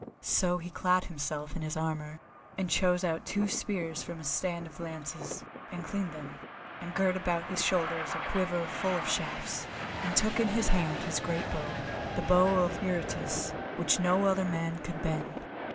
So he clad himself in his armour, and chose out two spears from a stand of lances, and cleaned them, and girt about his shoulders a quiver full of shafts, and took in hand his great bow, the Bow of Eurytus, which no other man could bend.